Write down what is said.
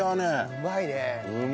うまいね。